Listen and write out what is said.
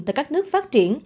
tại các nước phát triển